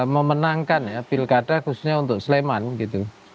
memenangkan ya pilkada khususnya untuk sleman gitu